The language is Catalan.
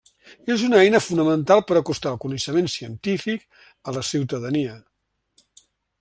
És una eina fonamental per acostar el coneixement científic a la ciutadania.